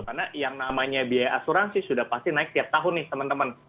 karena yang namanya biaya asuransi sudah pasti naik tiap tahun nih teman teman